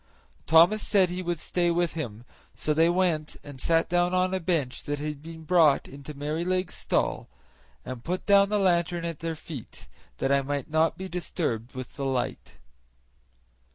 Thomas said he would stay with him, so they went and sat down on a bench that had been brought into Merrylegs' stall, and put down the lantern at their feet, that I might not be disturbed with the light.